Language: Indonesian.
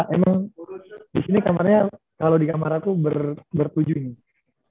emang disini kamarnya kalo di kamar aku bertujuh nih